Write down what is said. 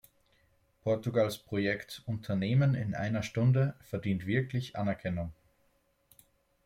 Portugals Projekt "Unternehmen in einer Stunde" verdient wirklich Anerkennung.